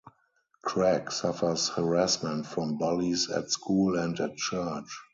Craig suffers harassment from bullies at school and at church.